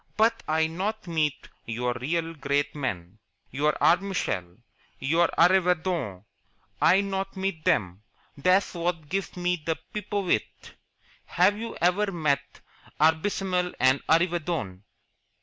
"But I not meet your real great men your Arbmishel, your Arreevadon I not meet them. That's what gives me the pipovitch. Have you ever met Arbmishel and Arreevadon?"